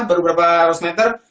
baru berapa ratus meter